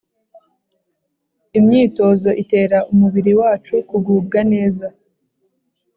imyitozo itera umubiri wacu kugubwa neza